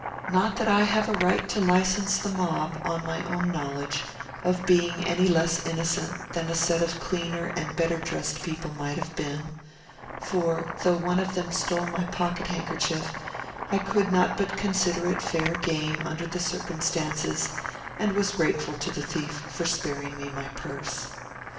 Not that I have a right to license the mob, on my own knowledge, of being any less innocent than a set of cleaner and better dressed people might have been; for, though one of them stole my pocket handkerchief, I could not but consider it fair game, under the circumstances, and was grateful to the thief for sparing me my purse.